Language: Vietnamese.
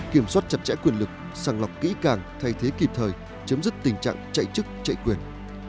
kiểm soát chặt chẽ quyền lực sàng lọc kỹ càng thay thế kịp thời chấm dứt tình trạng chạy chức chạy quyền